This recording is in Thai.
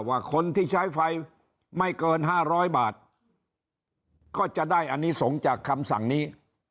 ว่าคนที่ใช้ไฟไม่เกิน๕๐๐บาทก็จะได้อนิสงฆ์จากคำสั่งนี้